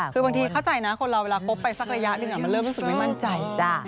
คือบางทีเข้าใจนะคนเราเวลาคบไปสักระยะหนึ่งมันเริ่มรู้สึกไม่มั่นใจจ้ะ